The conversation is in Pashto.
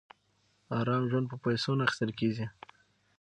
ارام ژوند په پیسو نه اخیستل کېږي.